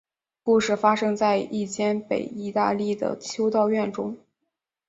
故事发生在一间北意大利的修道院中。